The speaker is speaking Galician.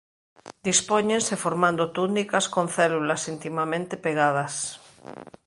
Dispóñense formando túnicas con células intimamente pegadas.